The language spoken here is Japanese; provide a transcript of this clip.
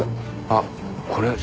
あっこれ。